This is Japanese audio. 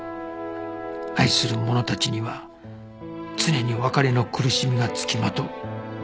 愛する者たちには常に別れの苦しみがつきまとう